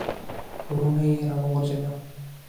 ورونه یې را وغورځېده.